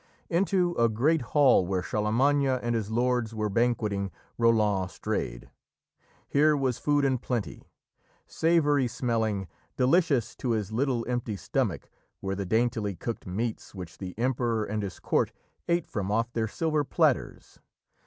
Into a great hall where Charlemagne and his lords were banqueting Roland strayed. Here was food in plenty! Savoury smelling, delicious to his little empty stomach were the daintily cooked meats which the Emperor and his court ate from off their silver platters.